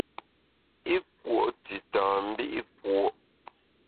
I kùo’ tita mbi’ kùo’.